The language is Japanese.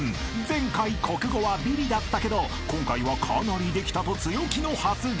［前回国語はビリだったけど今回はかなりできたと強気の発言］